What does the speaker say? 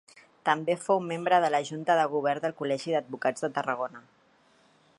També fou membre de la junta de govern del Col·legi d'Advocats de Tarragona.